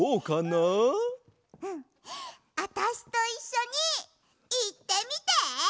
あたしといっしょにいってみて！